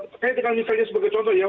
terkait dengan misalnya sebagai contoh ya